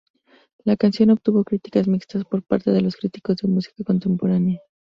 La canción obtuvo críticas mixtas por parte de los críticos de música contemporánea.